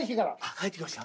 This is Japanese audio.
描いてきました？